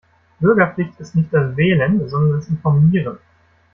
Bürgerpflicht ist nicht das Wählen sondern das Informieren.